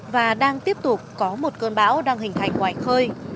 và đang tiếp tục có một cơn bão đang hình thành ngoài khơi